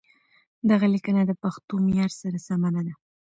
دغه ليکنه د پښتو معيار سره سمه نه ده.